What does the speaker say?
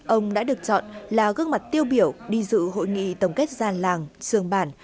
ông đã được chọn là gương mặt tiêu biểu đi dự hội nghị tổng kết gian làng trường bản